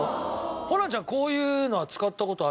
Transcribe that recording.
ホランちゃんこういうのは使った事ありますか？